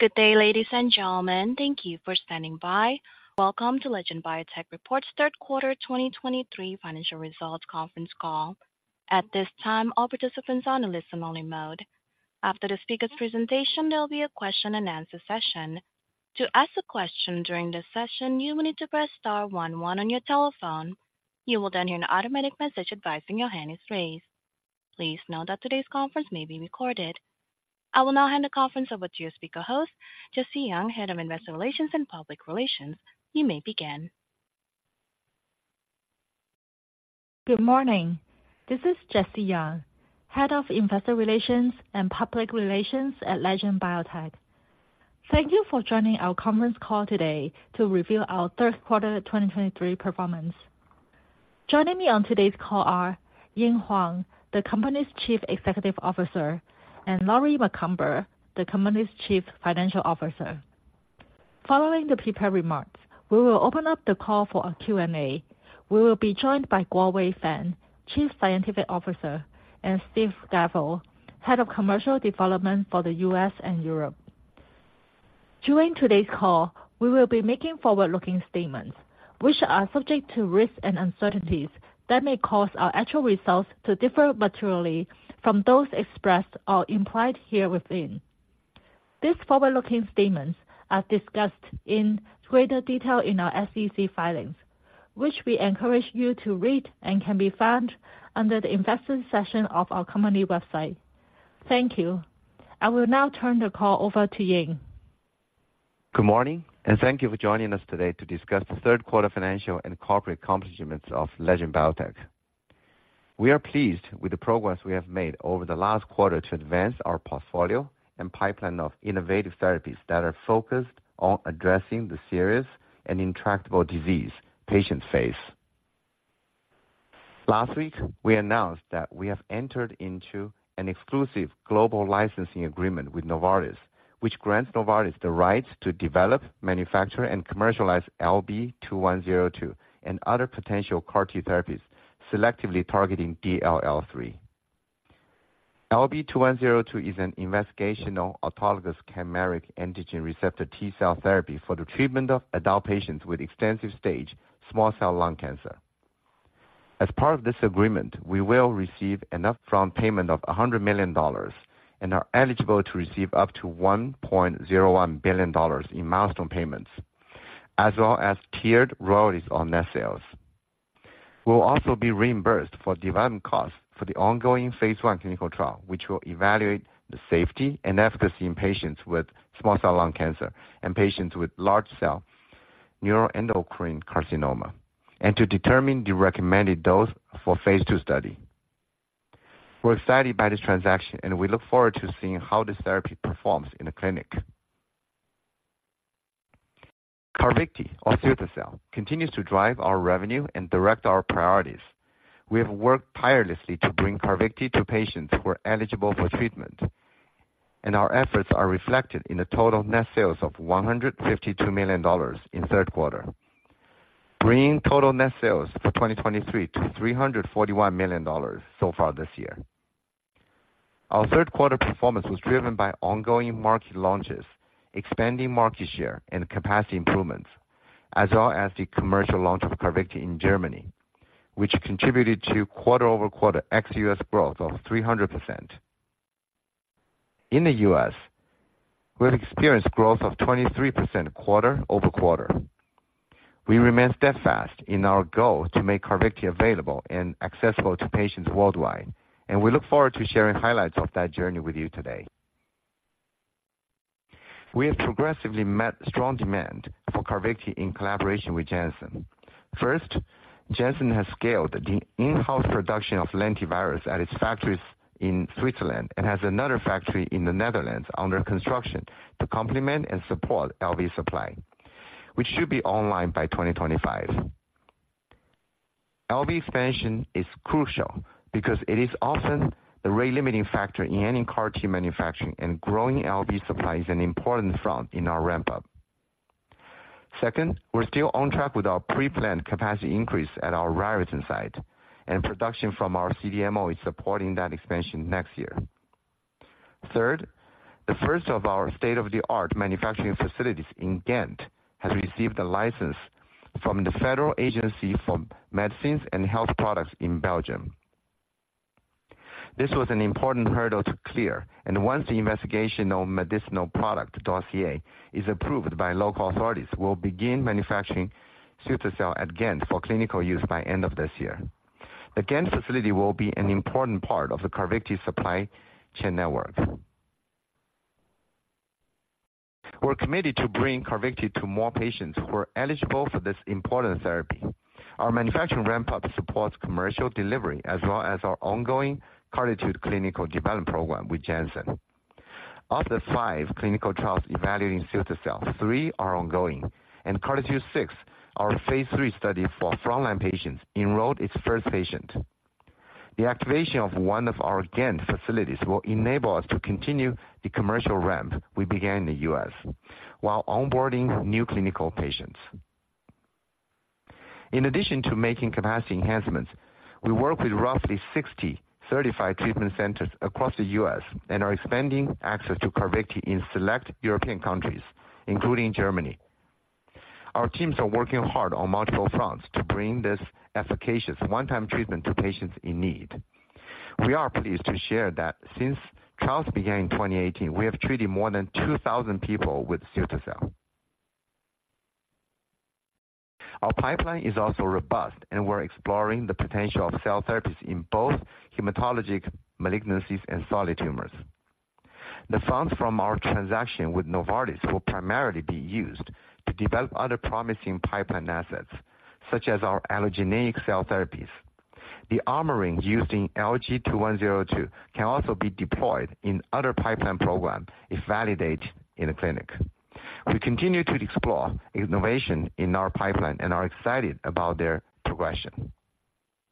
Good day, ladies and gentlemen. Thank you for standing by. Welcome to Legend Biotech's third quarter 2023 financial results conference call. At this time, all participants are on listen-only mode. After the speaker's presentation, there will be a question-and-answer session. To ask a question during this session, you will need to press star one one on your telephone. You will then hear an automatic message advising your hand is raised. Please note that today's conference may be recorded. I will now hand the conference over to your speaker host, Jessie Yeung, Head of Investor Relations and Public Relations. You may begin. Good morning. This is Jessie Yeung, Head of Investor Relations and Public Relations at Legend Biotech. Thank you for joining our conference call today to review our third quarter 2023 performance. Joining me on today's call are Ying Huang, the company's Chief Executive Officer, and Lori Macomber, the company's Chief Financial Officer. Following the prepared remarks, we will open up the call for a Q&A. We will be joined by Guowei Fang, Chief Scientific Officer, and Steve Gavel, Head of Commercial Development for the U.S. and Europe. During today's call, we will be making forward-looking statements, which are subject to risks and uncertainties that may cause our actual results to differ materially from those expressed or implied here within. These forward-looking statements are discussed in greater detail in our SEC filings, which we encourage you to read and can be found under the investor section of our company website. Thank you. I will now turn the call over to Ying. Good morning, and thank you for joining us today to discuss the third quarter financial and corporate accomplishments of Legend Biotech. We are pleased with the progress we have made over the last quarter to advance our portfolio and pipeline of innovative therapies that are focused on addressing the serious and intractable disease patients face. Last week, we announced that we have entered into an exclusive global licensing agreement with Novartis, which grants Novartis the right to develop, manufacture, and commercialize LB2102 and other potential CAR-T therapies selectively targeting DLL3. LB2102 is an investigational autologous chimeric antigen receptor T-cell therapy for the treatment of adult patients with extensive stage small cell lung cancer. As part of this agreement, we will receive an upfront payment of $100 million and are eligible to receive up to $1.01 billion in milestone payments, as well as tiered royalties on net sales. We'll also be reimbursed for development costs for the ongoing phase I clinical trial, which will evaluate the safety and efficacy in patients with small cell lung cancer and patients with large cell neuroendocrine carcinoma, and to determine the recommended dose for phase II study. We're excited by this transaction, and we look forward to seeing how this therapy performs in the clinic. CARVYKTI or cilta-cel continues to drive our revenue and direct our priorities. We have worked tirelessly to bring CARVYKTI to patients who are eligible for treatment, and our efforts are reflected in the total net sales of $152 million in third quarter, bringing total net sales for 2023 to $341 million so far this year. Our third quarter performance was driven by ongoing market launches, expanding market share and capacity improvements, as well as the commercial launch of CARVYKTI in Germany, which contributed to quarter-over-quarter ex-U.S. growth of 300%. In the U.S., we've experienced growth of 23% quarter-over-quarter. We remain steadfast in our goal to make CARVYKTI available and accessible to patients worldwide, and we look forward to sharing highlights of that journey with you today. We have progressively met strong demand for CARVYKTI in collaboration with Janssen. First, Janssen has scaled the in-house production of lentivirus at its factories in Switzerland and has another factory in the Netherlands under construction to complement and support LV supply, which should be online by 2025. LV expansion is crucial because it is often the rate-limiting factor in any CAR-T manufacturing, and growing LV supply is an important front in our ramp-up. Second, we're still on track with our pre-planned capacity increase at our Raritan site, and production from our CDMO is supporting that expansion next year. Third, the first of our state-of-the-art manufacturing facilities in Ghent has received a license from the Federal Agency for Medicines and Health Products in Belgium. This was an important hurdle to clear, and once the Investigational Medicinal Product Dossier is approved by local authorities, we'll begin manufacturing cilta-cel at Ghent for clinical use by end of this year. The Ghent facility will be an important part of the CARVYKTI supply chain network. We're committed to bring CARVYKTI to more patients who are eligible for this important therapy. Our manufacturing ramp-up supports commercial delivery as well as our ongoing CARTITUDE clinical development program with Janssen. Of the five clinical trials evaluating cilta-cel, three are ongoing, and CARTITUDE-6, our phase III study for frontline patients, enrolled its first patient. The activation of one of our Ghent facilities will enable us to continue the commercial ramp we began in the U.S. while onboarding new clinical patients.... In addition to making capacity enhancements, we work with roughly 60 certified treatment centers across the U.S. and are expanding access to CARVYKTI in select European countries, including Germany. Our teams are working hard on multiple fronts to bring this efficacious one-time treatment to patients in need. We are pleased to share that since trials began in 2018, we have treated more than 2,000 people with cilta-cel. Our pipeline is also robust, and we're exploring the potential of cell therapies in both hematologic malignancies and solid tumors. The funds from our transaction with Novartis will primarily be used to develop other promising pipeline assets, such as our allogeneic cell therapies. The armoring used in LG2102 can also be deployed in other pipeline program if validated in a clinic. We continue to explore innovation in our pipeline and are excited about their progression.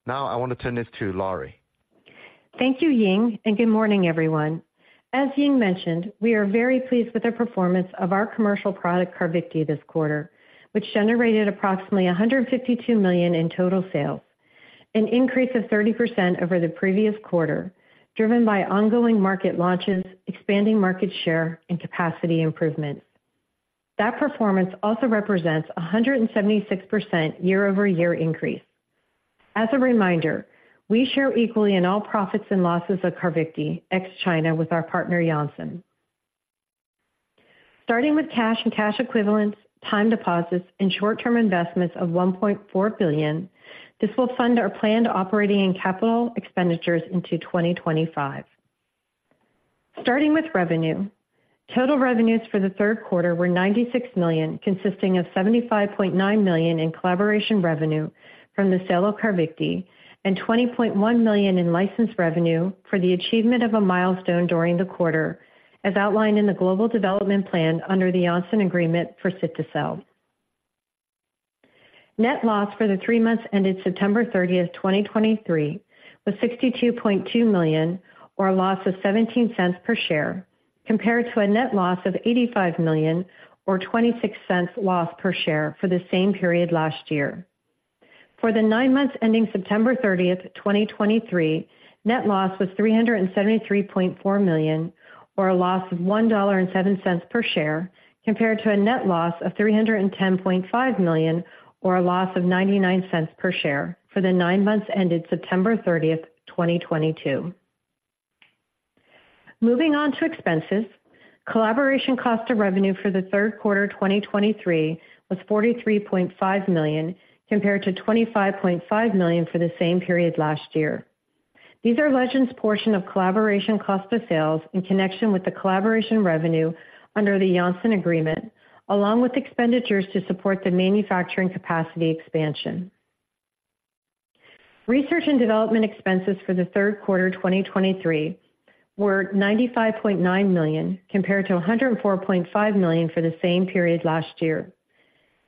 Now, I want to turn this to Lori. Thank you, Ying, and good morning, everyone. As Ying mentioned, we are very pleased with the performance of our commercial product, CARVYKTI, this quarter, which generated approximately $152 million in total sales, an increase of 30% over the previous quarter, driven by ongoing market launches, expanding market share and capacity improvements. That performance also represents a 176% year-over-year increase. As a reminder, we share equally in all profits and losses of CARVYKTI, ex-China, with our partner, Janssen. Starting with cash and cash equivalents, time deposits, and short-term investments of $1.4 billion, this will fund our planned operating and capital expenditures into 2025. Starting with revenue, total revenues for the third quarter were $96 million, consisting of $75.9 million in collaboration revenue from the sale of CARVYKTI and $20.1 million in license revenue for the achievement of a milestone during the quarter, as outlined in the Global Development Plan under the Janssen Agreement for cilta-cel. Net loss for the three months ended September 30, 2023, was $62.2 million, or a loss of $0.17 per share, compared to a net loss of $85 million or $0.26 loss per share for the same period last year. For the nine months ending September 30, 2023, net loss was $373.4 million, or a loss of $1.07 per share, compared to a net loss of $310.5 million, or a loss of $0.99 per share for the nine months ended September 30, 2022. Moving on to expenses. Collaboration cost of revenue for the third quarter 2023 was $43.5 million, compared to $25.5 million for the same period last year. These are Legend's portion of collaboration cost of sales in connection with the collaboration revenue under the Janssen agreement, along with expenditures to support the manufacturing capacity expansion. Research and development expenses for the third quarter 2023 were $95.9 million, compared to $104.5 million for the same period last year.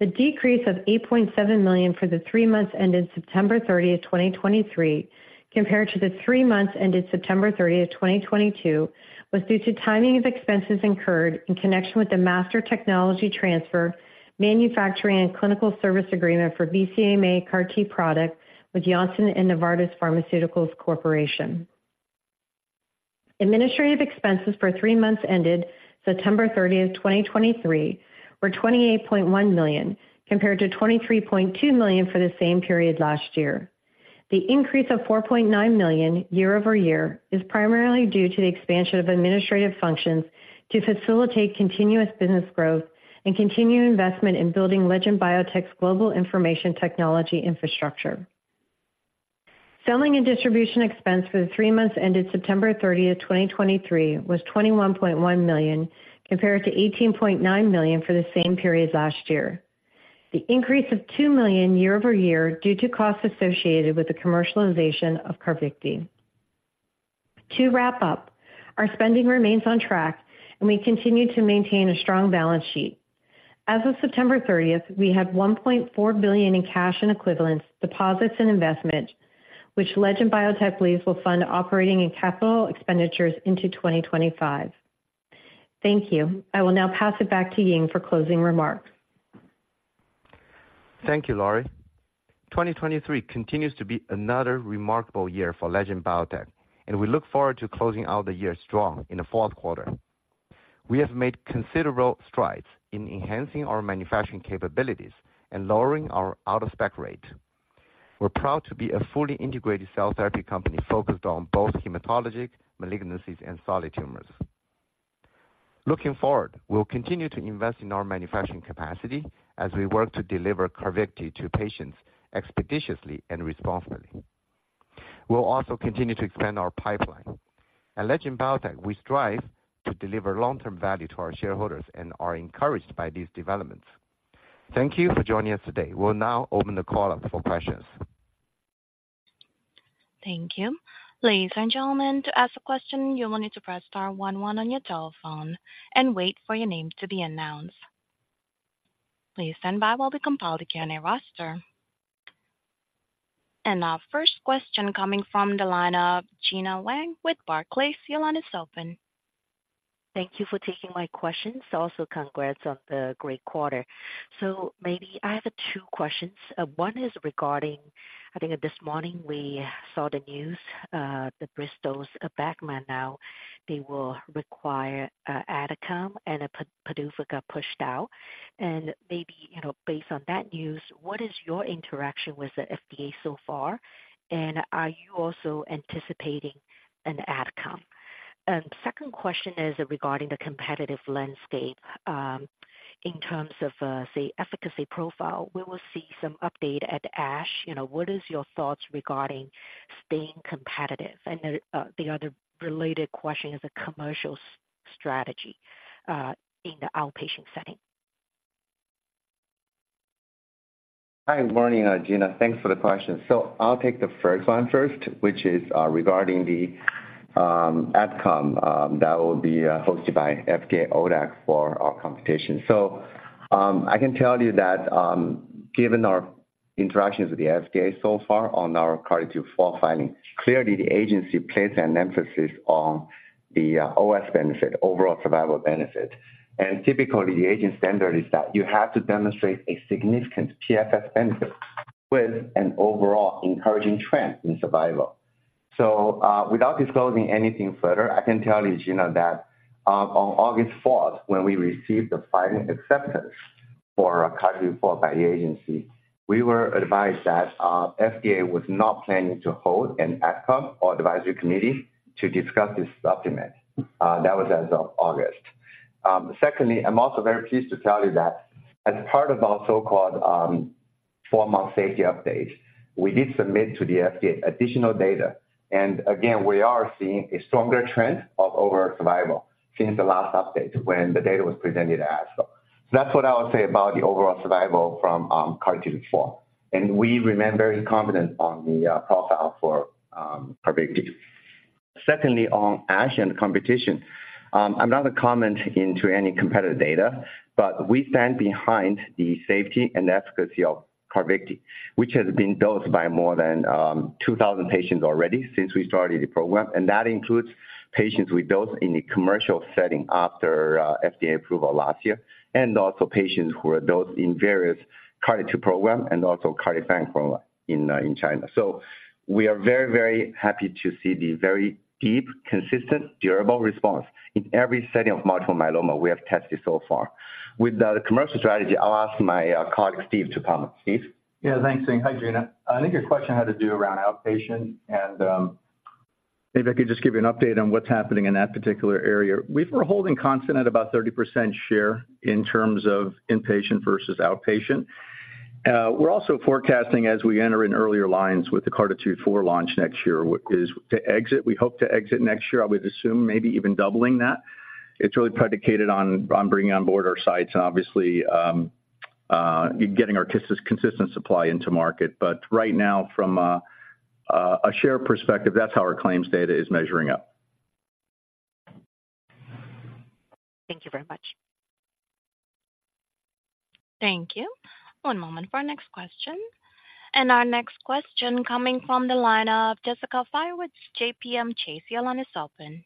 The decrease of $8.7 million for the three months ended September 30, 2023, compared to the three months ended September 30, 2022, was due to timing of expenses incurred in connection with the Master Technology Transfer Manufacturing and Clinical Service Agreement for BCMA CAR-T product with Janssen and Novartis Pharmaceuticals Corporation. Administrative expenses for three months ended September 30, 2023, were $28.1 million, compared to $23.2 million for the same period last year. The increase of $4.9 million year-over-year is primarily due to the expansion of administrative functions to facilitate continuous business growth and continue investment in building Legend Biotech's global information technology infrastructure. Selling and distribution expense for the three months ended September 30, 2023, was $21.1 million, compared to $18.9 million for the same period last year. The increase of $2 million year-over-year due to costs associated with the commercialization of CARVYKTI. To wrap up, our spending remains on track, and we continue to maintain a strong balance sheet. As of September thirtieth, we had $1.4 billion in cash and equivalents, deposits and investment, which Legend Biotech believes will fund operating and capital expenditures into 2025. Thank you. I will now pass it back to Ying for closing remarks. Thank you, Lori. 2023 continues to be another remarkable year for Legend Biotech, and we look forward to closing out the year strong in the fourth quarter. We have made considerable strides in enhancing our manufacturing capabilities and lowering our out-of-spec rate. We're proud to be a fully integrated cell therapy company focused on both hematologic malignancies and solid tumors. Looking forward, we'll continue to invest in our manufacturing capacity as we work to deliver CARVYKTI to patients expeditiously and responsibly. We'll also continue to expand our pipeline. At Legend Biotech, we strive to deliver long-term value to our shareholders and are encouraged by these developments. Thank you for joining us today. We'll now open the call up for questions. Thank you. Ladies and gentlemen, to ask a question, you will need to press star one one on your telephone and wait for your name to be announced. Please stand by while we compile the Q&A roster... Our first question coming from the line of Gena Wang with Barclays. Your line is open. Thank you for taking my questions. Also, congrats on the great quarter. So maybe I have two questions. One is regarding, I think this morning we saw the news, the Bristol's Abecma now, they will require, AdCom and PDUFA got pushed out. And maybe, you know, based on that news, what is your interaction with the FDA so far? And are you also anticipating an AdCom? And second question is regarding the competitive landscape. In terms of, say, efficacy profile, we will see some update at ASH. You know, what is your thoughts regarding staying competitive? And, the other related question is a commercial strategy, in the outpatient setting. Hi, morning, Gena. Thanks for the question. So I'll take the first one first, which is regarding the AdCom that will be hosted by FDA ODAC for our competition. So, I can tell you that, given our interactions with the FDA so far on our CARTITUDE-4 filing, clearly the agency places an emphasis on the OS benefit, overall survival benefit. And typically, the agency standard is that you have to demonstrate a significant PFS benefit with an overall encouraging trend in survival. So, without disclosing anything further, I can tell you, Gena, that, on August fourth, when we received the final acceptance for our CARTITUDE-4 by the agency, we were advised that FDA was not planning to hold an AdCom or advisory committee to discuss this supplement. That was as of August. Secondly, I'm also very pleased to tell you that as part of our so-called, four-month safety update, we did submit to the FDA additional data, and again, we are seeing a stronger trend of overall survival since the last update when the data was presented at ASH. So that's what I would say about the overall survival from, CARTITUDE-4, and we remain very confident on the, profile for, CARVYKTI. Secondly, on ASH and competition. I'm not a comment into any competitive data, but we stand behind the safety and efficacy of CARVYKTI, which has been dosed by more than 2,000 patients already since we started the program, and that includes patients we dosed in a commercial setting after FDA approval last year, and also patients who are dosed in various CARTITUDE program and also CARTIFAN program in China. So we are very, very happy to see the very deep, consistent, durable response in every setting of multiple myeloma we have tested so far. With the commercial strategy, I'll ask my colleague, Steve, to comment. Steve? Yeah, thanks, Ying. Hi, Gena. I think your question had to do around outpatient, and, maybe I could just give you an update on what's happening in that particular area. We were holding constant at about 30% share in terms of inpatient versus outpatient. We're also forecasting as we enter in earlier lines with the CARTITUDE-4 launch next year. We hope to exit next year. I would assume maybe even doubling that. It's really predicated on bringing on board our sites and obviously getting our consistent supply into market. But right now, from a share perspective, that's how our claims data is measuring up. Thank you very much. Thank you. One moment for our next question. Our next question coming from the line of Jessica Fye with JPM Chase. Your line is open.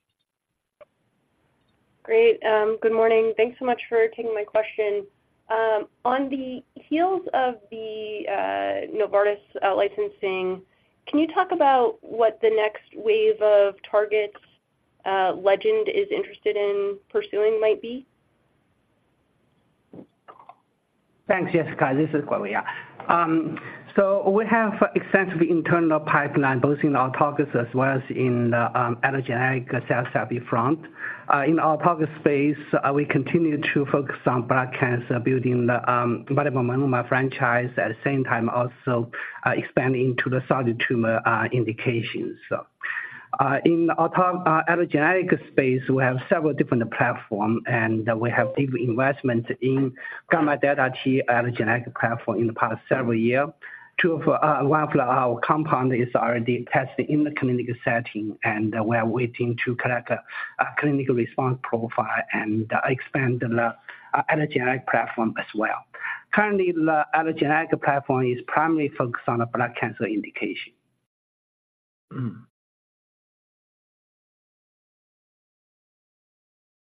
Great. Good morning. Thanks so much for taking my question. On the heels of the Novartis out-licensing, can you talk about what the next wave of targets Legend is interested in pursuing might be? Thanks, Jessica. This is Guowei. So we have extensive internal pipeline, both in our targets as well as in the allogeneic cell therapy front. In our target space, we continue to focus on blood cancer, building the multiple myeloma franchise, at the same time, also expanding to the solid tumor indications. So in the allogeneic space, we have several different platform and we have deep investment in gamma delta T allogeneic platform in the past several years. One of our compounds is already tested in the clinical setting, and we are waiting to collect a clinical response profile and expand the allogeneic platform as well. Currently, the allogeneic platform is primarily focused on a blood cancer indication.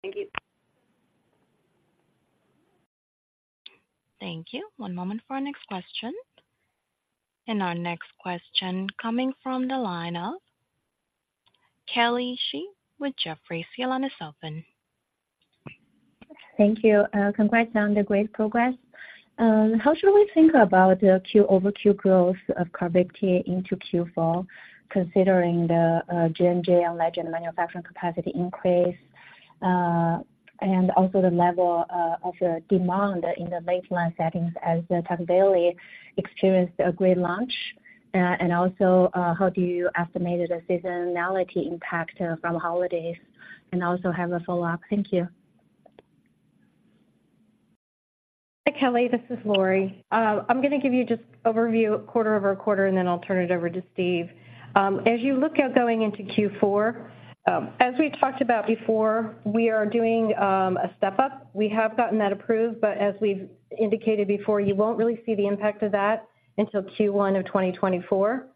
Thank you. Thank you. One moment for our next question. Our next question coming from the line of Kelly Shi with Jefferies. Your line is open. Thank you, congrats on the great progress. How should we think about the Q over Q growth of CARVYKTI into Q4, considering the, J&J and Legend manufacturing capacity increase, and also the level, of the demand in the late-line settings as the TECVAYLI experienced a great launch? And also, how do you estimate the seasonality impact from holidays? And also have a follow-up. Thank you. Hi, Kelly, this is Lori. I'm going to give you just overview quarter-over-quarter, and then I'll turn it over to Steve. As you look at going into Q4, as we talked about before, we are doing a step up. We have gotten that approved, but as we've indicated before, you won't really see the impact of that until Q1 of 2024.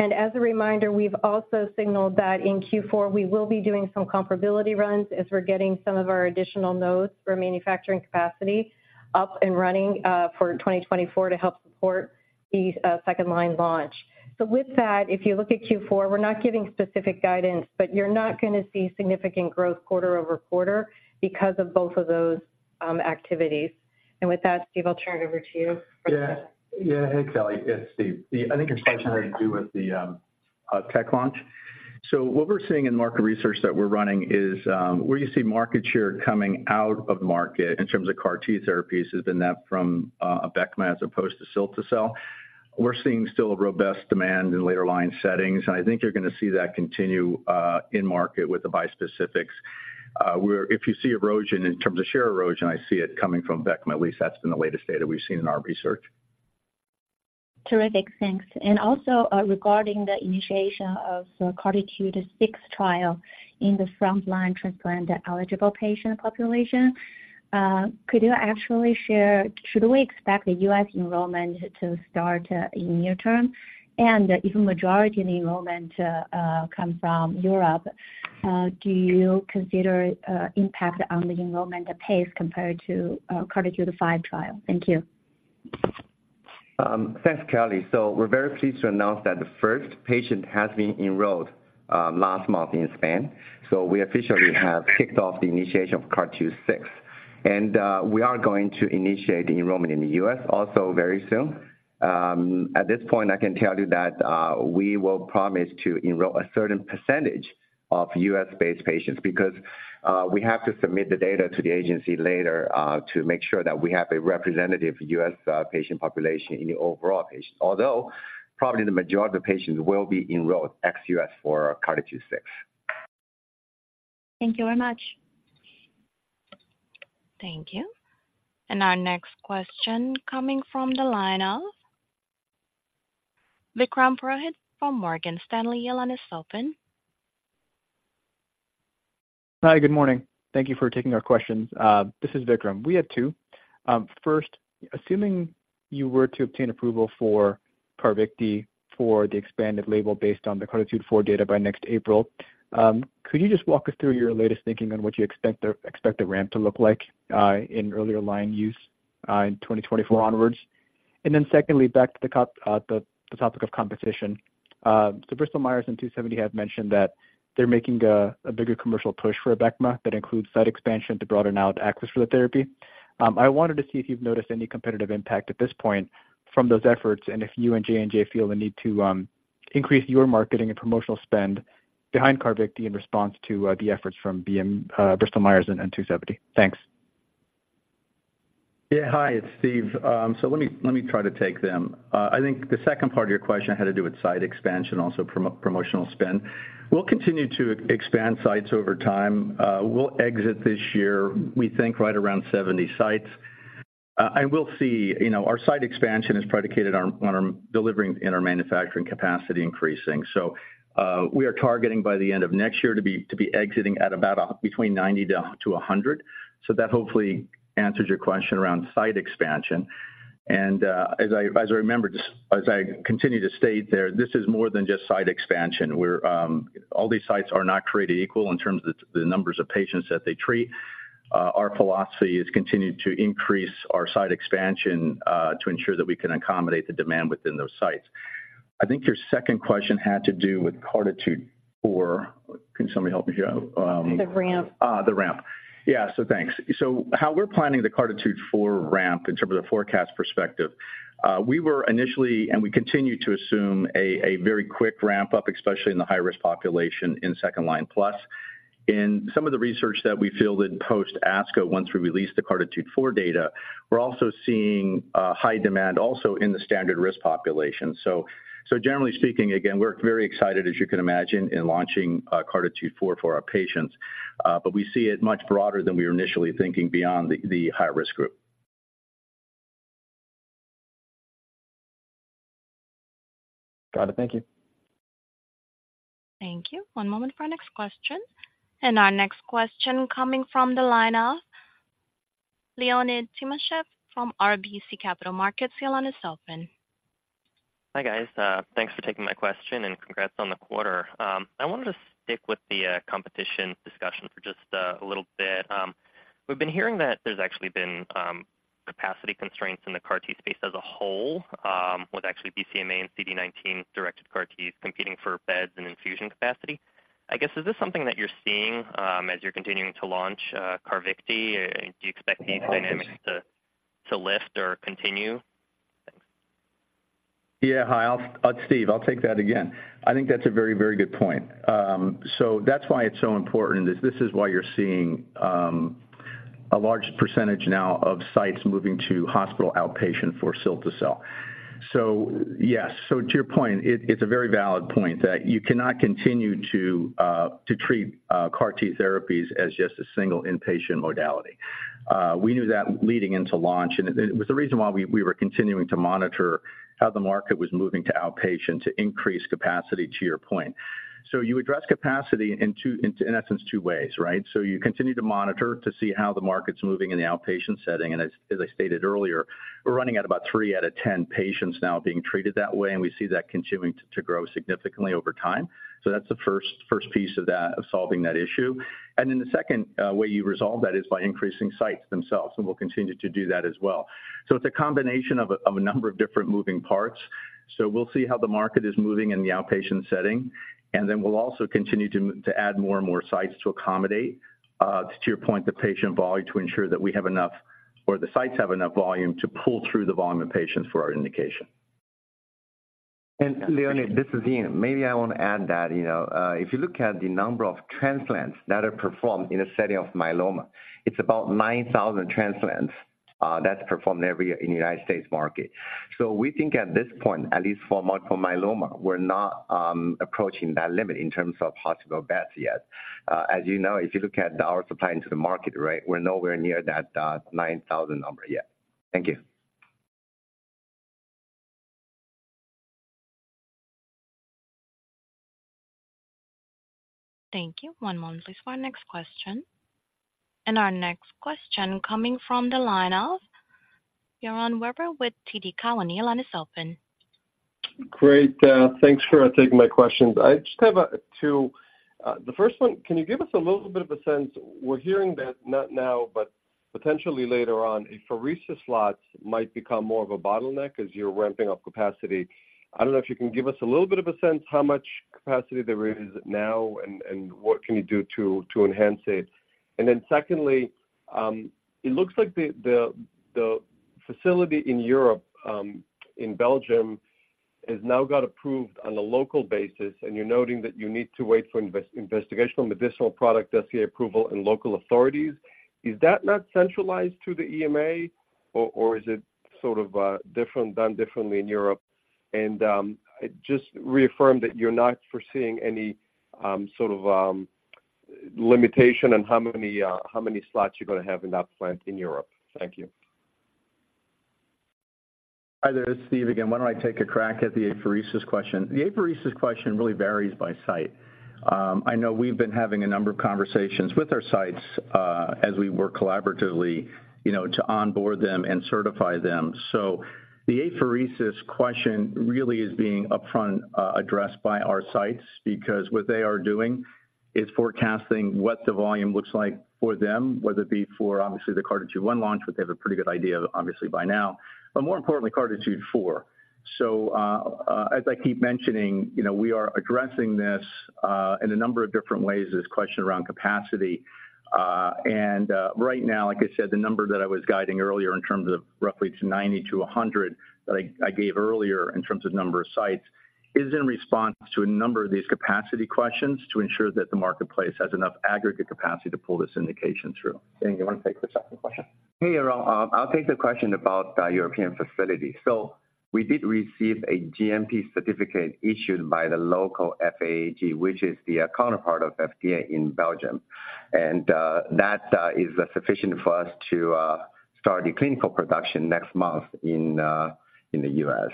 ...As a reminder, we've also signaled that in Q4, we will be doing some comparability runs as we're getting some of our additional nodes for manufacturing capacity up and running for 2024 to help support the second line launch. So with that, if you look at Q4, we're not giving specific guidance, but you're not going to see significant growth quarter-over-quarter because of both of those activities. And with that, Steve, I'll turn it over to you. Yeah. Yeah. Hey, Kelly, it's Steve. I think your question had to do with the TEC launch. So what we're seeing in market research that we're running is where you see market share coming out of market in terms of CAR-T therapies, has been that from Abecma as opposed to cilta-cel. We're seeing still a robust demand in later line settings, and I think you're going to see that continue in market with the bispecifics. We're if you see erosion, in terms of share erosion, I see it coming from Abecma. At least that's been the latest data we've seen in our research. Terrific, thanks. And also, regarding the initiation of, CARTITUDE-6 trial in the frontline transplant-eligible patient population, could you actually share, should we expect the U.S. enrollment to start, in near term? And if a majority of the enrollment, come from Europe, do you consider, impact on the enrollment pace compared to, CARTITUDE-5 trial? Thank you. Thanks, Kelly. So we're very pleased to announce that the first patient has been enrolled last month in Spain. So we officially have kicked off the initiation of CARTITUDE-6, and we are going to initiate the enrollment in the U.S. also very soon. At this point, I can tell you that we will promise to enroll a certain percentage of U.S.-based patients because we have to submit the data to the agency later to make sure that we have a representative U.S. patient population in the overall patient. Although, probably the majority of patients will be enrolled ex-U.S. for CARTITUDE-6. Thank you very much. Thank you. And our next question coming from the line of Vikram Purohit from Morgan Stanley. Your line is open. Hi, good morning. Thank you for taking our questions. This is Vikram. We have two. First, assuming you were to obtain approval for CARVYKTI for the expanded label based on the CARTITUDE-4 data by next April, could you just walk us through your latest thinking on what you expect the, expect the ramp to look like, in earlier line use, in 2024 onwards? And then secondly, back to the topic of competition. So Bristol Myers and 2seventy bio have mentioned that they're making a bigger commercial push for Abecma. That includes site expansion to broaden out access for the therapy. I wanted to see if you've noticed any competitive impact at this point from those efforts, and if you and J&J feel the need to increase your marketing and promotional spend behind CARVYKTI in response to the efforts from BM, Bristol Myers and 2seventy bio? Thanks. Yeah. Hi, it's Steve. So let me, let me try to take them. I think the second part of your question had to do with site expansion, also promotional spend. We'll continue to expand sites over time. We'll exit this year, we think, right around 70 sites. I will see, you know, our site expansion is predicated on, on our delivering and our manufacturing capacity increasing. So, we are targeting by the end of next year to be, to be exiting at about between 90-100. So that hopefully answers your question around site expansion. And, as I, as I remember, as I continue to state there, this is more than just site expansion. We're, all these sites are not created equal in terms of the, the numbers of patients that they treat. Our philosophy is continue to increase our site expansion, to ensure that we can accommodate the demand within those sites. I think your second question had to do with CARTITUDE-4. Can somebody help me here? The ramp. The ramp. Yeah, so thanks. So how we're planning the CARTITUDE-4 ramp in terms of the forecast perspective, we were initially, and we continue to assume a very quick ramp-up, especially in the high-risk population, in second line plus. In some of the research that we fielded post ASCO, once we released the CARTITUDE-4 data, we're also seeing high demand also in the standard risk population. So generally speaking, again, we're very excited, as you can imagine, in launching CARTITUDE-4 for our patients, but we see it much broader than we were initially thinking beyond the high-risk group. Got it. Thank you. Thank you. One moment for our next question. Our next question coming from the line of Leonid Timashev from RBC Capital Markets. Your line is open. Hi, guys, thanks for taking my question and congrats on the quarter. I wanted to stick with the competition discussion for just a little bit. We've been hearing that there's actually been capacity constraints in the CAR-T space as a whole, with actually BCMA and CD19-directed CAR-T competing for beds and infusion capacity. I guess, is this something that you're seeing as you're continuing to launch CARVYKTI? Do you expect these dynamics to lift or continue? Thanks. Yeah. Hi, I'll, Steve, I'll take that again. I think that's a very, very good point. So that's why it's so important, is this is why you're seeing a large percentage now of sites moving to hospital outpatient for cilta-cel. So yes. So to your point, it, it's a very valid point that you cannot continue to to treat CAR-T therapies as just a single inpatient modality. We knew that leading into launch, and it was the reason why we were continuing to monitor how the market was moving to outpatient to increase capacity, to your point. So you address capacity in two, in essence, two ways, right? So you continue to monitor to see how the market's moving in the outpatient setting. As I stated earlier, we're running at about 3 out of 10 patients now being treated that way, and we see that continuing to grow significantly over time. So that's the first piece of that of solving that issue. And then the second way you resolve that is by increasing sites themselves, and we'll continue to do that as well. So it's a combination of a number of different moving parts. So we'll see how the market is moving in the outpatient setting, and then we'll also continue to add more and more sites to accommodate to your point, the patient volume, to ensure that we have enough or the sites have enough volume to pull through the volume of patients for our indication. Leonid, this is Ying. Maybe I want to add that, you know, if you look at the number of transplants that are performed in a setting of myeloma, it's about 9,000 transplants, that's performed every year in the United States market. So we think at this point, at least for multiple myeloma, we're not approaching that limit in terms of possible beds yet. As you know, if you look at our supply into the market, right, we're nowhere near that 9,000 number yet. Thank you. Thank you. One moment, please, for our next question. Our next question coming from the line of Yaron Werber with TD Cowen. The line is open. Great, thanks for taking my questions. I just have two. The first one, can you give us a little bit of a sense... We're hearing that not now, but potentially later on, apheresis slots might become more of a bottleneck as you're ramping up capacity. I don't know if you can give us a little bit of a sense how much capacity there is now and what can you do to enhance it? And then secondly, it looks like the facility in Europe, in Belgium, has now got approved on a local basis, and you're noting that you need to wait for Investigational Medicinal Product Dossier approval, and local authorities. Is that not centralized to the EMA, or is it sort of different, done differently in Europe? Just reaffirm that you're not foreseeing any sort of limitation on how many slots you're going to have in that plant in Europe? Thank you. Hi there, it's Steve again. Why don't I take a crack at the apheresis question? The apheresis question really varies by site. I know we've been having a number of conversations with our sites, as we work collaboratively, you know, to onboard them and certify them. So the apheresis question really is being upfront addressed by our sites, because what they are doing is forecasting what the volume looks like for them, whether it be for, obviously, the CARTITUDE-1 launch, which they have a pretty good idea, obviously, by now, but more importantly, CARTITUDE-4. So, as I keep mentioning, you know, we are addressing this in a number of different ways, this question around capacity. Right now, like I said, the number that I was guiding earlier in terms of roughly 90-100, that I gave earlier in terms of number of sites, is in response to a number of these capacity questions to ensure that the marketplace has enough aggregate capacity to pull this indication through. Ying, you want to take the second question? Hey, Yaron, I'll take the question about the European facility. So we did receive a GMP certificate issued by the local FAG, which is the counterpart of FDA in Belgium. And that is sufficient for us to start the clinical production next month in the U.S.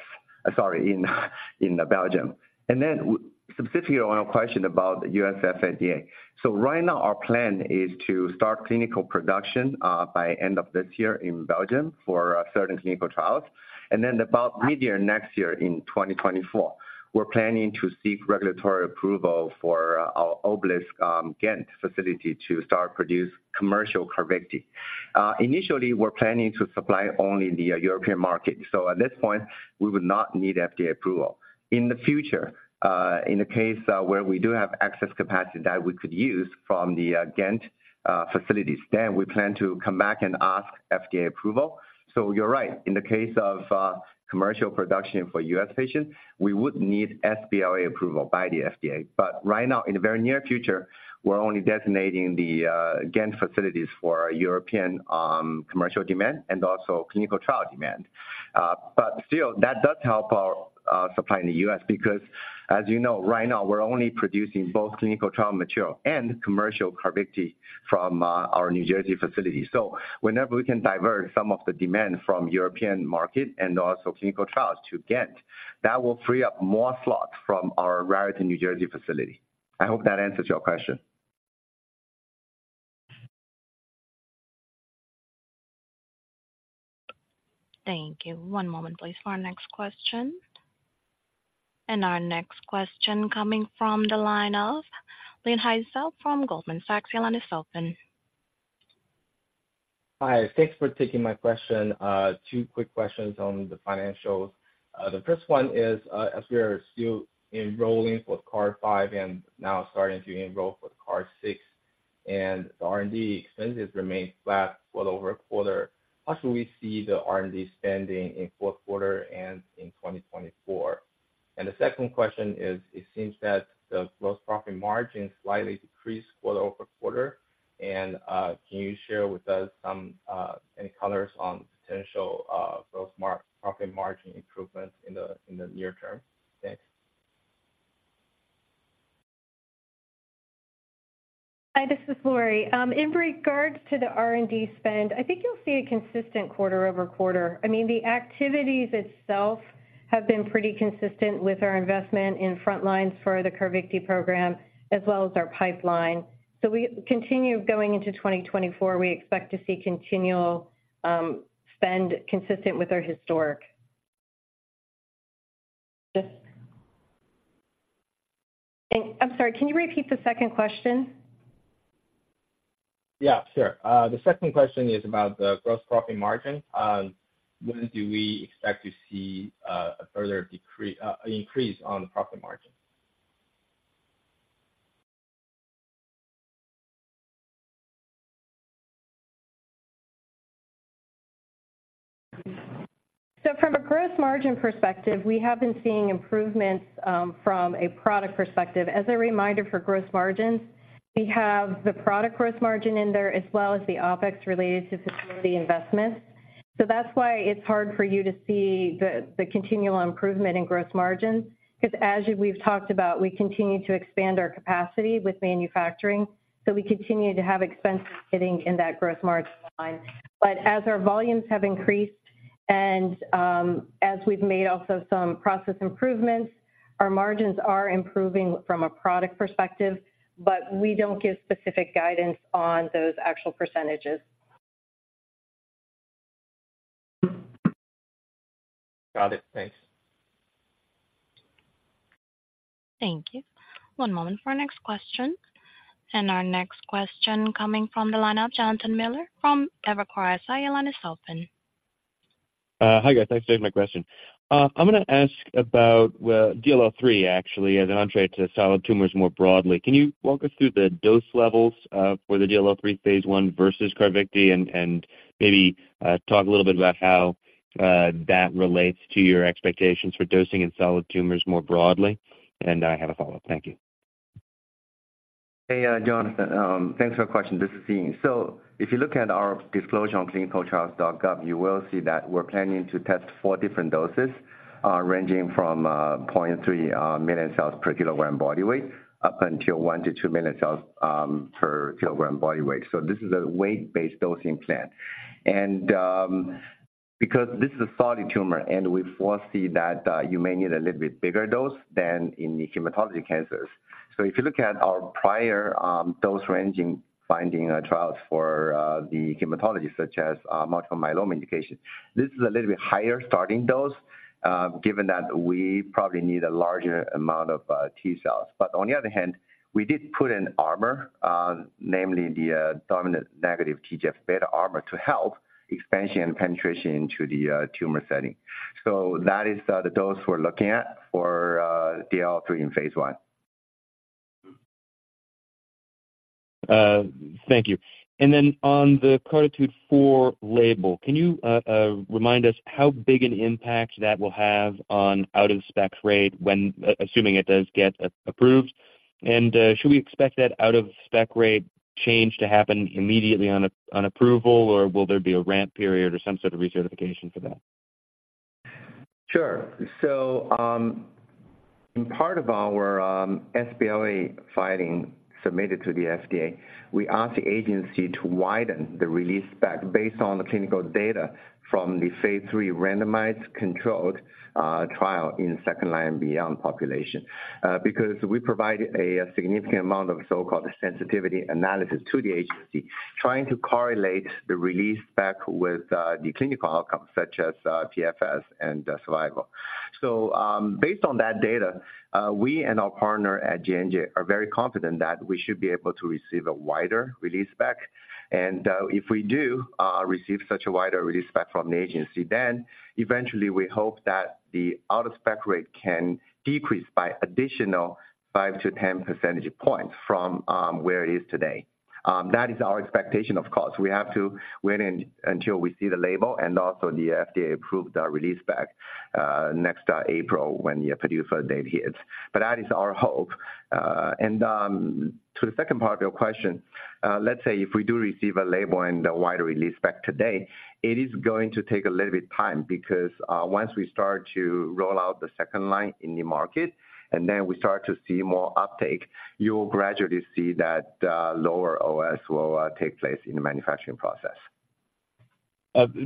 Sorry, in Belgium. And then specifically on a question about the U.S. FDA. So right now, our plan is to start clinical production by end of this year in Belgium for certain clinical trials, and then about midyear next year in 2024. We're planning to seek regulatory approval for our Obelisc Ghent facility to start produce commercial CARVYKTI. Initially, we're planning to supply only the European market. So at this point, we would not need FDA approval. In the future, in the case where we do have excess capacity that we could use from the Ghent facilities, then we plan to come back and ask FDA approval. So you're right. In the case of commercial production for U.S. patients, we would need sBLA approval by the FDA. But right now, in the very near future, we're only designating the Ghent facilities for European commercial demand and also clinical trial demand. But still, that does help our supply in the U.S., because as you know, right now, we're only producing both clinical trial material and commercial CARVYKTI from our New Jersey facility. So whenever we can divert some of the demand from European market and also clinical trials to Ghent, that will free up more slots from our Raritan, New Jersey, facility. I hope that answers your question. Thank you. One moment, please, for our next question. Our next question coming from the line of Linhai Zhao from Goldman Sachs. The line is open. Hi, thanks for taking my question. Two quick questions on the financials. The first one is, as we are still enrolling for CARTITUDE-5 and now starting to enroll for CARTITUDE-6, and the R&D expenses remain flat quarter-over-quarter, how should we see the R&D spending in fourth quarter and in 2024? And the second question is, it seems that the gross profit margin slightly decreased quarter-over-quarter. And, can you share with us some, any colors on potential, gross profit margin improvements in the near term? Thanks.... Hi, this is Lori. In regards to the R&D spend, I think you'll see a consistent quarter-over-quarter. I mean, the activities itself have been pretty consistent with our investment in front lines for the CARVYKTI program as well as our pipeline. So we continue going into 2024, we expect to see continual spend consistent with our historic. Yes. I'm sorry, can you repeat the second question? Yeah, sure. The second question is about the gross profit margin. When do we expect to see a further degree increase on the profit margin? So from a gross margin perspective, we have been seeing improvements from a product perspective. As a reminder for gross margins, we have the product gross margin in there, as well as the OpEx related to facility investments. So that's why it's hard for you to see the continual improvement in gross margins, because as we've talked about, we continue to expand our capacity with manufacturing, so we continue to have expenses hitting in that gross margin line. But as our volumes have increased and as we've made also some process improvements, our margins are improving from a product perspective, but we don't give specific guidance on those actual percentages. Got it. Thanks. Thank you. One moment for our next question. Our next question coming from the line of Jonathan Miller from Evercore ISI. Your line is open. Hi, guys. Thanks for taking my question. I'm gonna ask about, well, DLL3, actually, and entry to solid tumors more broadly. Can you walk us through the dose levels for the DLL3 phase I versus CARVYKTI? And maybe talk a little bit about how that relates to your expectations for dosing in solid tumors more broadly, and I have a follow-up. Thank you. Hey, Jonathan, thanks for your question. This is Ying. So if you look at our disclosure on clinicaltrials.gov, you will see that we're planning to test four different doses, ranging from 0.3 million cells per kilogram body weight, up until 1 million-2 million cells per kilogram body weight. So this is a weight-based dosing plan. And, because this is a solid tumor, and we foresee that you may need a little bit bigger dose than in the hematology cancers. So if you look at our prior dose ranging finding trials for the hematology, such as multiple myeloma indication, this is a little bit higher starting dose, given that we probably need a larger amount of T-cells. But on the other hand, we did put an armor, namely the dominant negative TGF-beta armor, to help expansion and penetration into the tumor setting. So that is the dose we're looking at for DLL3 in phase I. Thank you. And then on the CARTITUDE-4 label, can you remind us how big an impact that will have on out-of-spec rate when assuming it does get approved? And should we expect that out-of-spec rate change to happen immediately on approval, or will there be a ramp period or some sort of recertification for that? Sure. So, in part of our sBLA filing submitted to the FDA, we asked the agency to widen the release spec based on the clinical data from the phase III randomized controlled trial in second line and beyond population. Because we provided a significant amount of so-called sensitivity analysis to the agency, trying to correlate the release spec with the clinical outcome, such as PFS and survival. So, based on that data, we and our partner at J&J are very confident that we should be able to receive a wider release spec. And, if we do receive such a wider release spec from the agency, then eventually we hope that the out-of-spec rate can decrease by additional 5-10 percentage points from where it is today. That is our expectation, of course. We have to wait until we see the label and also the FDA-approved release spec next April, when the PDUFA date hits. But that is our hope. And to the second part of your question, let's say if we do receive a label and a wider release spec today, it is going to take a little bit time because once we start to roll out the second line in the market, and then we start to see more uptake, you will gradually see that lower OS will take place in the manufacturing process.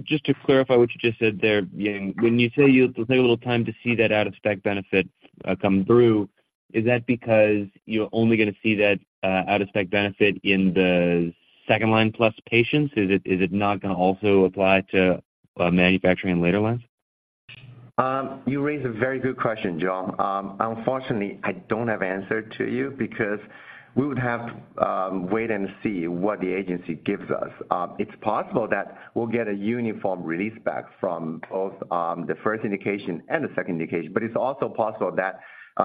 Just to clarify what you just said there, Ying, when you say you'll take a little time to see that out-of-spec benefit come through, is that because you're only gonna see that out-of-spec benefit in the second-line plus patients? Is it, is it not gonna also apply to manufacturing in later lines? You raise a very good question, Jon. Unfortunately, I don't have answer to you because we would have, wait and see what the agency gives us. It's possible that we'll get a uniform release spec from both, the first indication and the second indication, but it's also possible that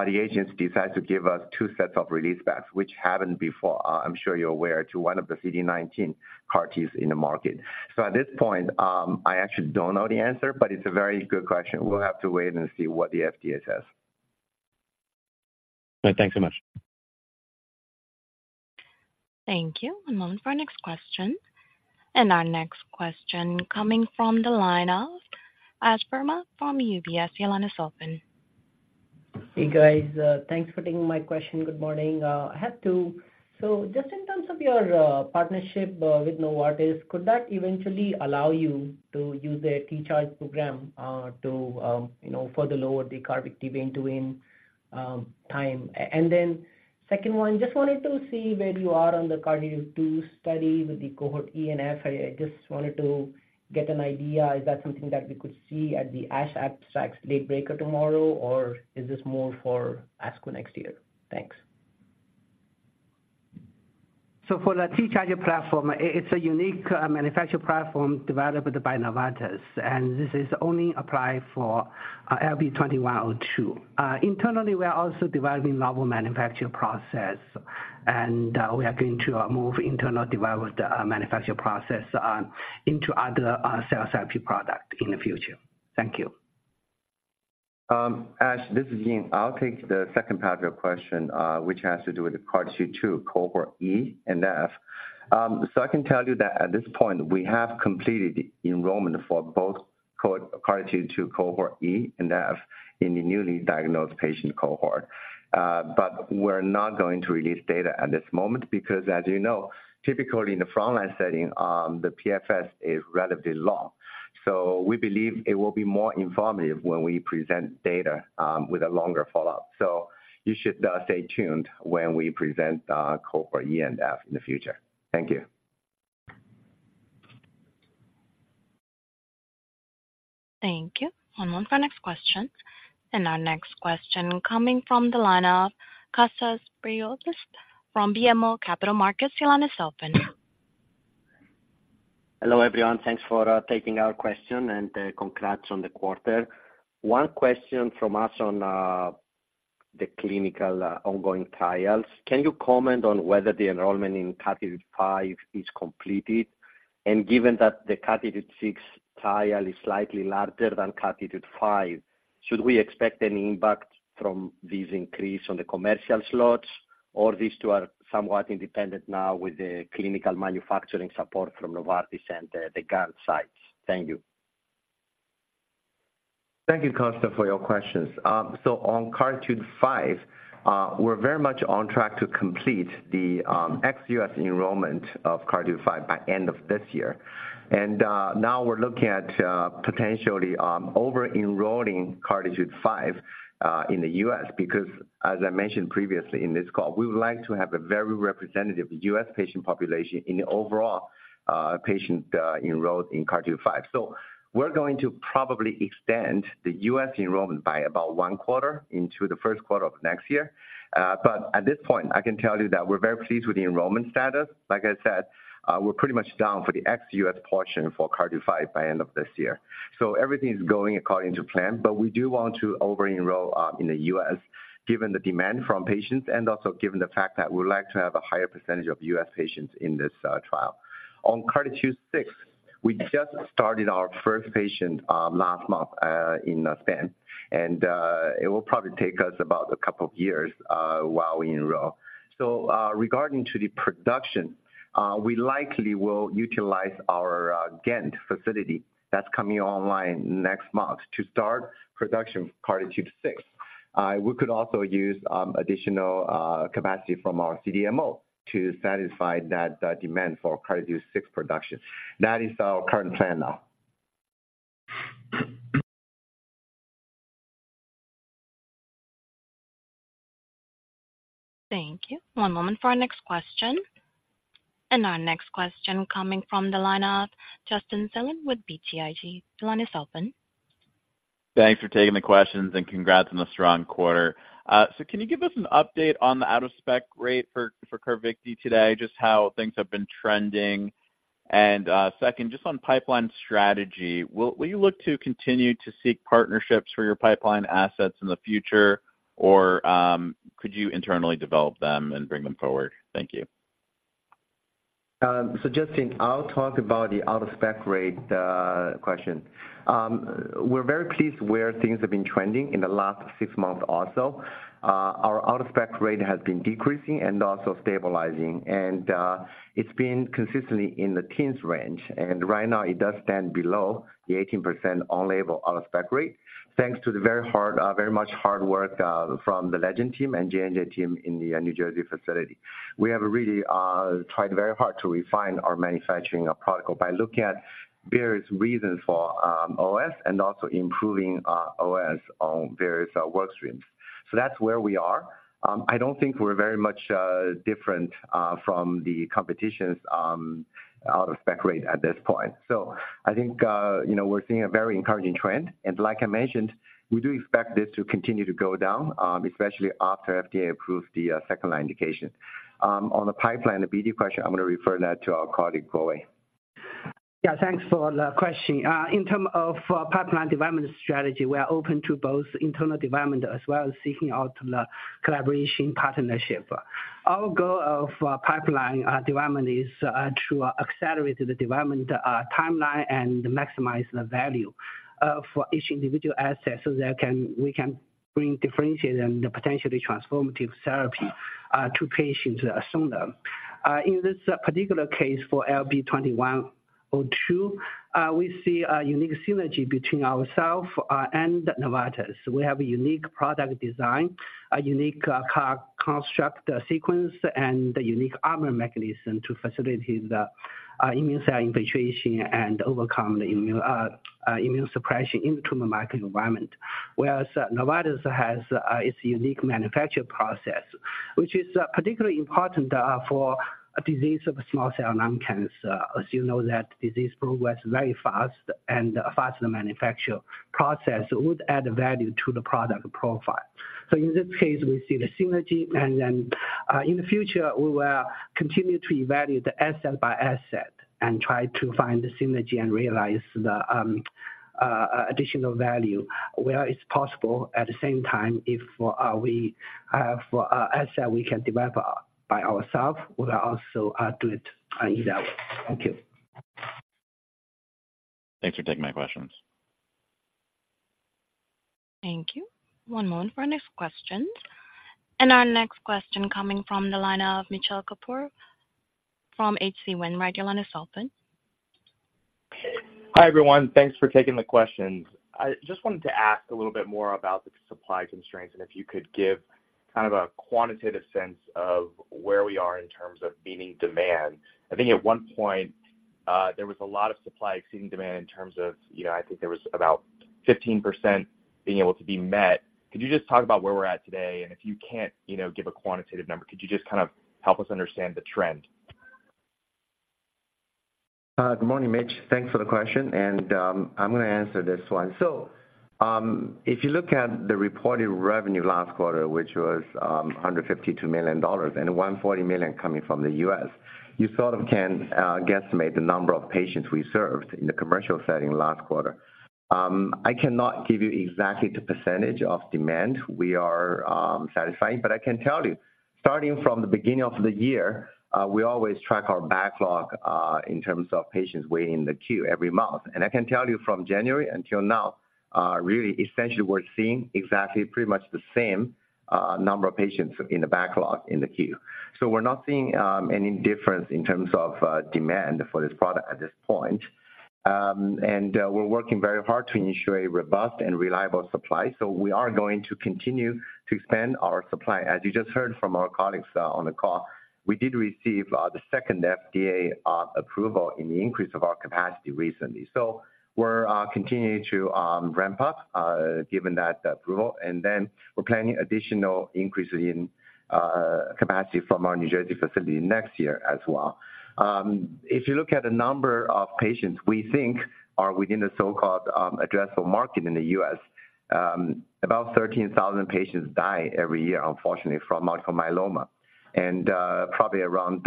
the agency decides to give us two sets of release specs, which happened before, I'm sure you're aware, to one of the CD19 CAR-Ts in the market. So at this point, I actually don't know the answer, but it's a very good question. We'll have to wait and see what the FDA says. Thanks so much. Thank you. One moment for our next question. Our next question coming from the line of Ash Verma from UBS. Your line is open. Hey, guys. Thanks for taking my question. Good morning. I have two. So just in terms of your partnership with Novartis, could that eventually allow you to use their T-Charge program to, you know, further lower the CARVYKTI vein-to-vein time? And then second one, just wanted to see where you are on the CARTITUDE-2 study with the cohort E and F. I just wanted to get an idea. Is that something that we could see at the ASH abstracts late-breaker tomorrow, or is this more for ASCO next year? Thanks. So for the T-Charge platform, it's a unique manufacturing platform developed by Novartis, and this is only applied for LB2102. Internally, we are also developing novel manufacturing process, and we are going to move internally developed manufacturing process into other sales IP product in the future. Thank you. Ash, this is Ying. I'll take the second part of your question, which has to do with the CARTITUDE-2, cohort E and F. So I can tell you that at this point, we have completed enrollment for both CARTITUDE-2 cohort E and F in the newly diagnosed patient cohort. But we're not going to release data at this moment because, as you know, typically in the frontline setting, the PFS is relatively long. So we believe it will be more informative when we present data, with a longer follow-up. So you should stay tuned when we present cohort E and F in the future. Thank you. Thank you. One moment for our next question. Our next question coming from the line of Kostas Biliouris from BMO Capital Markets. Your line is open. Hello, everyone. Thanks for taking our question and congrats on the quarter. One question from us on the clinical ongoing trials. Can you comment on whether the enrollment in CARTITUDE-5 is completed? And given that the CARTITUDE-6 trial is slightly larger than CARTITUDE-5, should we expect any impact from this increase on the commercial slots, or these two are somewhat independent now with the clinical manufacturing support from Novartis and the, the Ghent sites? Thank you. Thank you, Kostas, for your questions. So on CARTITUDE-5, we're very much on track to complete the ex-U.S. enrollment of CARTITUDE-5 by end of this year. And now we're looking at potentially over-enrolling CARTITUDE-5 in the U.S., because as I mentioned previously in this call, we would like to have a very representative U.S. patient population in the overall patient enrolled in CARTITUDE-5. So we're going to probably extend the U.S. enrollment by about one quarter into the first quarter of next year. But at this point, I can tell you that we're very pleased with the enrollment status. Like I said, we're pretty much done for the ex-U.S. portion for CARTITUDE-5 by end of this year. So everything is going according to plan, but we do want to over-enroll in the U.S., given the demand from patients and also given the fact that we would like to have a higher percentage of U.S. patients in this trial. On CARTITUDE-6, we just started our first patient last month in Spain, and it will probably take us about a couple of years while we enroll. So, regarding to the production, we likely will utilize our Ghent facility that's coming online next month to start production of CARTITUDE-6. We could also use additional capacity from our CDMO to satisfy that demand for CARTITUDE-6 production. That is our current plan now. Thank you. One moment for our next question. Our next question coming from the line of Justin Zelin with BTIG. The line is open. Thanks for taking the questions and congrats on the strong quarter. So can you give us an update on the out-of-spec rate for, for CARVYKTI today, just how things have been trending? Second, just on pipeline strategy, will, will you look to continue to seek partnerships for your pipeline assets in the future, or, could you internally develop them and bring them forward? Thank you. So Justin, I'll talk about the out-of-spec rate question. We're very pleased where things have been trending in the last six months or so. Our out-of-spec rate has been decreasing and also stabilizing, and it's been consistently in the teens range, and right now it does stand below the 18% on-label out-of-spec rate, thanks to the very hard, very much hard work from the Legend team and J&J team in the New Jersey facility. We have really tried very hard to refine our manufacturing protocol by looking at various reasons for OOS and also improving OOS on various work streams. So that's where we are. I don't think we're very much different from the competition's out-of-spec rate at this point. So I think, you know, we're seeing a very encouraging trend, and like I mentioned, we do expect this to continue to go down, especially after FDA approves the second-line indication. On the pipeline, the BD question, I'm going to refer that to our colleague, Guowei. Yeah, thanks for the question. In terms of pipeline development strategy, we are open to both internal development as well as seeking out the collaboration partnership. Our goal of pipeline development is to accelerate the development timeline and maximize the value for each individual asset, so we can bring differentiated and potentially transformative therapy to patients sooner. In this particular case, for LB2102, we see a unique synergy between ourselves and Novartis. We have a unique product design, a unique construct sequence, and a unique armor mechanism to facilitate the immune cell infiltration and overcome the immune suppression in the tumor microenvironment. Whereas Novartis has its unique manufacturing process, which is particularly important for a disease of small cell lung cancer. As you know that disease progress very fast, and a faster manufacture process would add value to the product profile. So in this case, we see the synergy, and then in the future, we will continue to evaluate the asset by asset and try to find the synergy and realize the additional value where it's possible. At the same time, if we have asset we can develop by ourself, we will also do it either way. Thank you. Thanks for taking my questions. Thank you. One moment for our next question. Our next question coming from the line of Mitchell Kapoor from H.C. Wainwright. Your line is open. Hi, everyone. Thanks for taking the questions. I just wanted to ask a little bit more about the supply constraints, and if you could give kind of a quantitative sense of where we are in terms of meeting demand. I think at one point, there was a lot of supply exceeding demand in terms of, you know, I think there was about 15% being able to be met. Could you just talk about where we're at today? And if you can't, you know, give a quantitative number, could you just kind of help us understand the trend? Good morning, Mitch. Thanks for the question, and I'm gonna answer this one. So, if you look at the reported revenue last quarter, which was $152 million, and $140 million coming from the U.S., you sort of can guesstimate the number of patients we served in the commercial setting last quarter. I cannot give you exactly the percentage of demand we are satisfying, but I can tell you, starting from the beginning of the year, we always track our backlog in terms of patients waiting in the queue every month. I can tell you from January until now, really essentially we're seeing exactly pretty much the same number of patients in the backlog in the queue. So we're not seeing any difference in terms of demand for this product at this point. We're working very hard to ensure a robust and reliable supply, so we are going to continue to expand our supply. As you just heard from our colleagues on the call, we did receive the second FDA approval in the increase of our capacity recently. We're continuing to ramp up given that approval, and then we're planning additional increases in capacity from our New Jersey facility next year as well. If you look at the number of patients we think are within the so-called addressable market in the U.S., about 13,000 patients die every year, unfortunately, from multiple myeloma. Probably around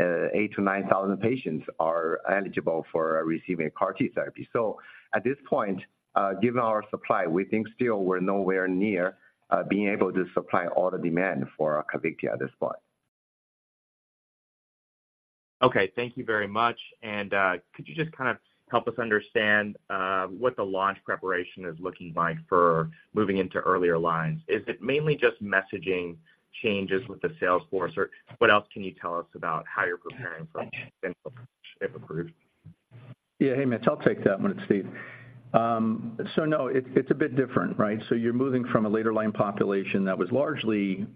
8,000-9,000 patients are eligible for receiving CAR-T therapy. So at this point, given our supply, we think still we're nowhere near being able to supply all the demand for CARVYKTI at this point. Okay, thank you very much. And, could you just kind of help us understand what the launch preparation is looking like for moving into earlier lines? Is it mainly just messaging changes with the sales force, or what else can you tell us about how you're preparing for if approved? Yeah. Hey, Mitch, I'll take that one. It's Steve. So no, it's a bit different, right? So you're moving from a later line population that was largely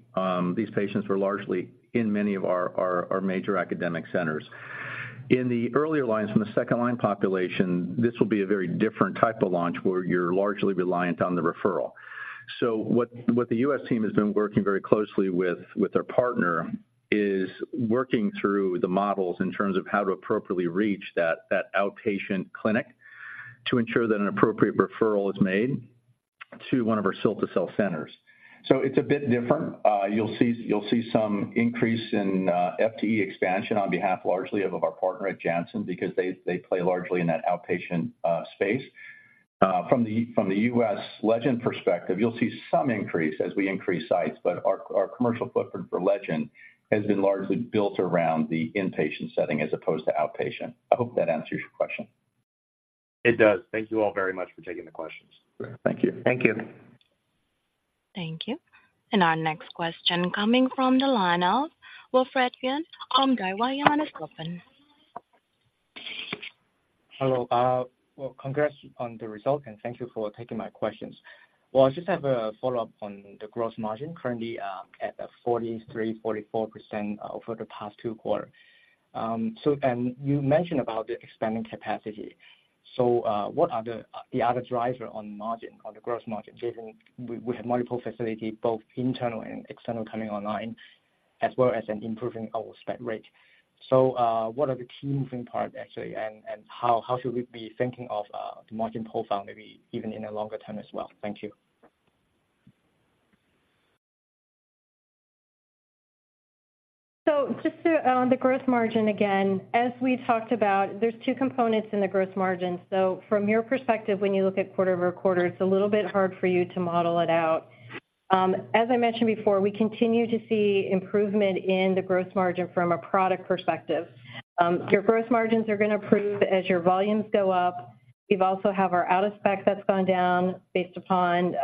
these patients were largely in many of our major academic centers. In the earlier lines, from the second line population, this will be a very different type of launch, where you're largely reliant on the referral. So what the U.S. team has been working very closely with our partner is working through the models in terms of how to appropriately reach that outpatient clinic, to ensure that an appropriate referral is made to one of our cell-to-cell centers. So it's a bit different. You'll see some increase in FTE expansion on behalf largely of our partner at Janssen, because they play largely in that outpatient space. From the U.S. Legend perspective, you'll see some increase as we increase sites, but our commercial footprint for Legend has been largely built around the inpatient setting as opposed to outpatient. I hope that answers your question. It does. Thank you all very much for taking the questions. Thank you. Thank you. Thank you. Our next question coming from the line of Wilfred Yuen from Daiwa. Your line is open. Hello. Well, congrats on the result, and thank you for taking my questions. Well, I just have a follow-up on the gross margin, currently at 43%-44% over the past two quarters. So, and you mentioned about the expanding capacity. So, what are the other driver on margin, on the gross margin, given we have multiple facility, both internal and external, coming online, as well as in improving our spend rate. So, what are the key moving part, actually, and how should we be thinking of the margin profile, maybe even in a longer term as well? Thank you. So just to on the gross margin again, as we talked about, there's two components in the gross margin. So from your perspective, when you look at quarter-over-quarter, it's a little bit hard for you to model it out. As I mentioned before, we continue to see improvement in the gross margin from a product perspective. Your gross margins are gonna improve as your volumes go up.... We've also have our out-of-spec that's gone down based upon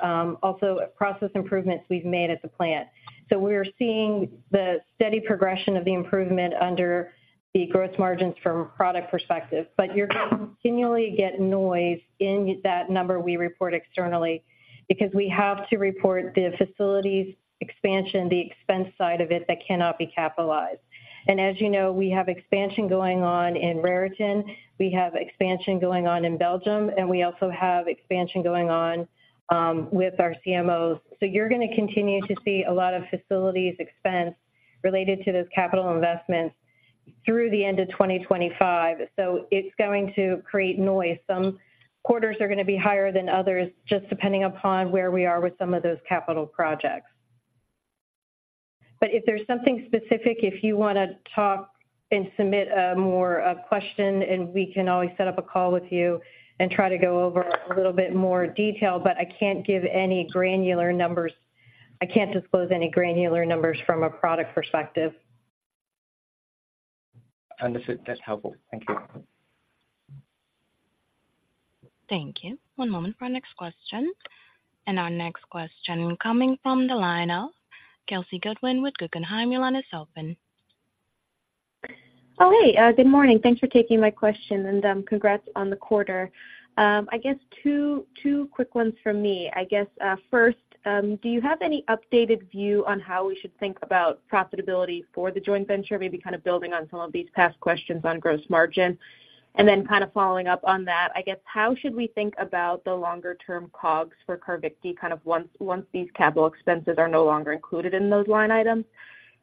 also process improvements we've made at the plant. So we're seeing the steady progression of the improvement under the gross margins from a product perspective. But you're going to continually get noise in that number we report externally, because we have to report the facilities expansion, the expense side of it, that cannot be capitalized. As you know, we have expansion going on in Raritan, we have expansion going on in Belgium, and we also have expansion going on with our CMOs. So you're going to continue to see a lot of facilities expense related to those capital investments through the end of 2025. So it's going to create noise. Some quarters are going to be higher than others, just depending upon where we are with some of those capital projects. But if there's something specific, if you want to talk and submit more a question, and we can always set up a call with you and try to go over a little bit more detail, but I can't give any granular numbers. I can't disclose any granular numbers from a product perspective. Understood. That's helpful. Thank you. Thank you. One moment for our next question. Our next question coming from the line of Kelsey Goodwin with Guggenheim. Your line is open. Oh, hey. Good morning. Thanks for taking my question, and congrats on the quarter. I guess 2 quick ones from me. I guess first, do you have any updated view on how we should think about profitability for the joint venture? Maybe kind of building on some of these past questions on gross margin. And then kind of following up on that, I guess, how should we think about the longer-term COGS for CARVYKTI, kind of once these capital expenses are no longer included in those line items?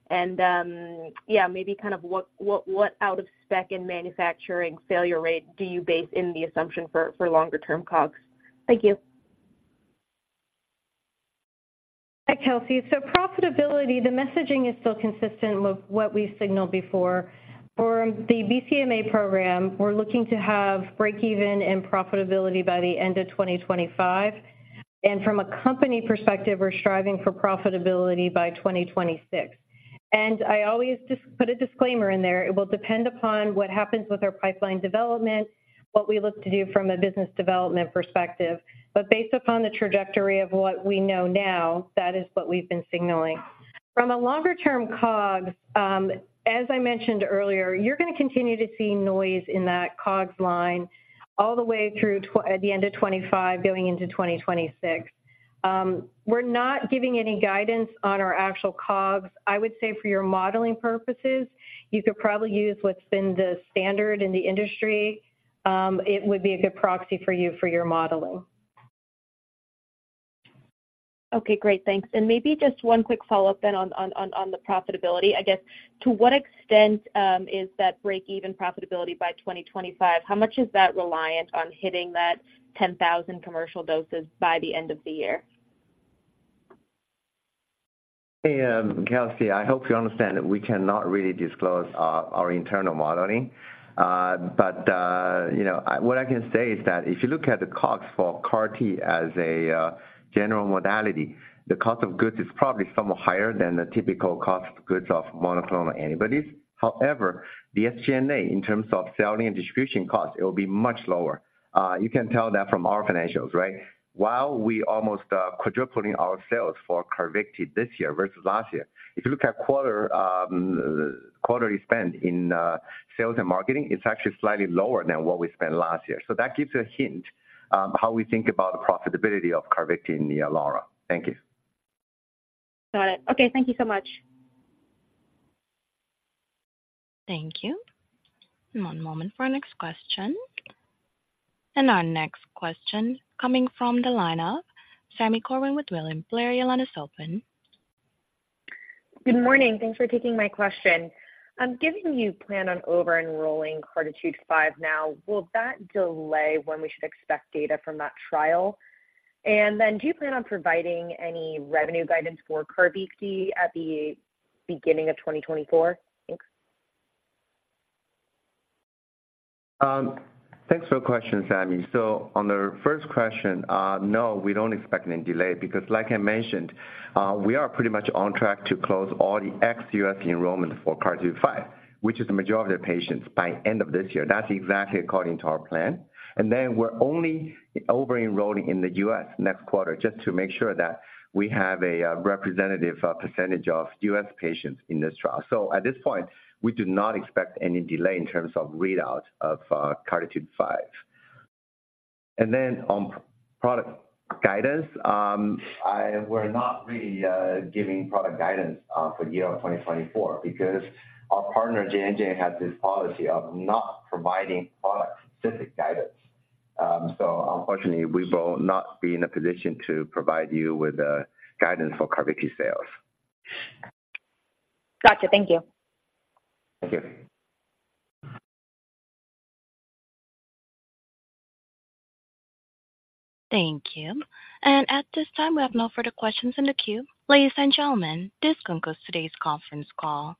And yeah, maybe kind of what out-of-spec in manufacturing failure rate do you base in the assumption for longer-term COGS? Thank you. Hi, Kelsey. So profitability, the messaging is still consistent with what we signaled before. For the BCMA program, we're looking to have breakeven and profitability by the end of 2025. From a company perspective, we're striving for profitability by 2026. I always just put a disclaimer in there. It will depend upon what happens with our pipeline development, what we look to do from a business development perspective. But based upon the trajectory of what we know now, that is what we've been signaling. From a longer-term COGS, as I mentioned earlier, you're going to continue to see noise in that COGS line all the way through the end of 2025, going into 2026. We're not giving any guidance on our actual COGS. I would say for your modeling purposes, you could probably use what's been the standard in the industry. It would be a good proxy for you for your modeling. Okay, great. Thanks. And maybe just one quick follow-up then on the profitability. I guess, to what extent is that break-even profitability by 2025? How much is that reliant on hitting that 10,000 commercial doses by the end of the year? Hey, Kelsey, I hope you understand that we cannot really disclose our internal modeling. But you know, what I can say is that if you look at the COGS for CAR-T as a general modality, the cost of goods is probably somewhat higher than the typical cost of goods of monoclonal antibodies. However, the SG&A, in terms of selling and distribution costs, it will be much lower. You can tell that from our financials, right? While we almost are quadrupling our sales for CARVYKTI this year versus last year, if you look at quarterly spend in sales and marketing, it's actually slightly lower than what we spent last year. So that gives you a hint on how we think about the profitability of CARVYKTI and nyelara. Thank you. Got it. Okay, thank you so much. Thank you. One moment for our next question. Our next question coming from the line of Sami Corwin with William Blair. Your line is open. Good morning. Thanks for taking my question. Given you plan on over-enrolling CARTITUDE-5 now, will that delay when we should expect data from that trial? And then do you plan on providing any revenue guidance for CARVYKTI at the beginning of 2024? Thanks. Thanks for the question, Sami. So on the first question, no, we don't expect any delay because like I mentioned, we are pretty much on track to close all the ex-U.S. enrollment for CARTITUDE-5, which is the majority of patients, by end of this year. That's exactly according to our plan. And then we're only over-enrolling in the U.S. next quarter, just to make sure that we have a representative percentage of U.S. patients in this trial. So at this point, we do not expect any delay in terms of readout of CARTITUDE-5. And then on product guidance, we're not really giving product guidance for year 2024 because our partner, J&J, has this policy of not providing product-specific guidance. So unfortunately, we will not be in a position to provide you with the guidance for CARVYKTI sales. Gotcha. Thank you. Thank you. Thank you. At this time, we have no further questions in the queue. Ladies and gentlemen, this concludes today's conference call.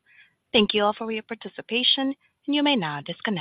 Thank you all for your participation, and you may now disconnect.